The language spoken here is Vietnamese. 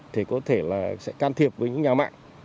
thì có thể là sẽ can thiệp với những nhà mạng